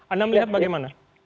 anda melihat bagaimana